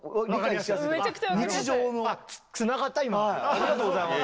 ありがとうございます。